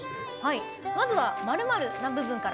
まずは、○○な部分から。